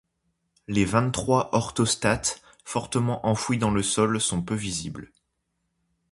Les vingt-trois orthostates, fortement enfouis dans le sol, sont peu visibles.